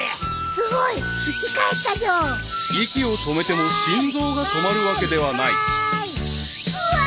［息を止めても心臓が止まるわけではない］うわ！